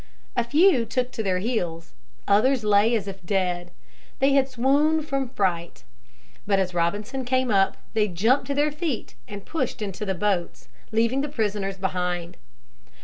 A few took to their heels. Others lay as if dead. They had swooned from fright. But as Robinson came up they jumped to their feet and pushed into the boats, leaving the prisoners behind.